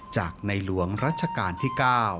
จากในหลวงรัชกาลที่๙